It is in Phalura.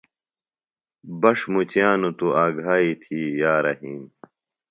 بݜ مچِیانوۡ توۡ آگھائے تھی یا رحیم۔